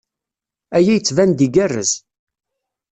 Aya yettban-d igerrez.